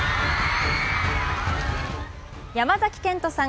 山崎賢人さん